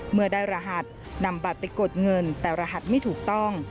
เมื่อได้รหัสนำบัตรไปกดเงินแต่รหัสไม่ถูกต้อง